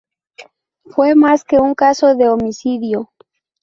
Fue más que un caso de homicidio.